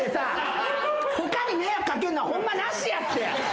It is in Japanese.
他に迷惑掛けんのはホンマなしやって。